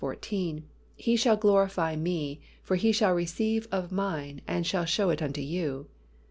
14, "He shall glorify Me: for He shall receive of Mine, and shall shew it unto you."